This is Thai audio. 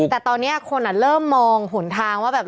แต่ตอนนี้คนเริ่มมองหนทางว่าแบบ